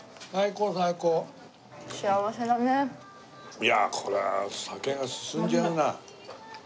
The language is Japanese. いやあこれは酒が進んじゃうな。